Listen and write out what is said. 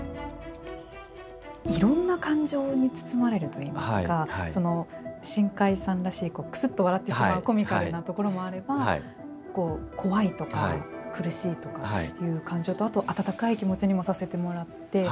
いろんな感情に包まれるといいますか新海さんらしいくすっと笑ってしまうコミカルなところもあれば怖いとか苦しいとかいう感情とあと、温かい気持ちにもさせてもらって。